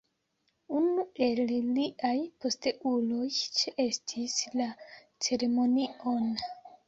Unu el liaj posteuloj ĉeestis la ceremonion.